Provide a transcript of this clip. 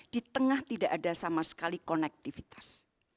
di tengah tidak ada sama sekali konektivitas